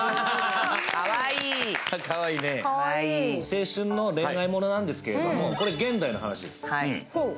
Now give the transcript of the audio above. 青春の恋愛ものなんですけれども、これは現代の話です。